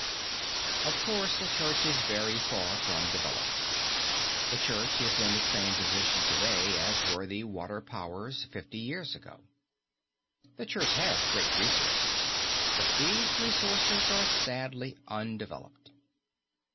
Of course the Church is very far from developed. The Church is in the same position to day as were the water powers fifty years ago. The Church has great resources; but these resources are sadly undeveloped.